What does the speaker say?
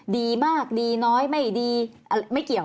ดีมากดีน้อยไม่ดีไม่เกี่ยว